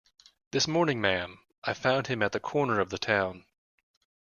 This morning, ma'am; I found him at the corner of the town.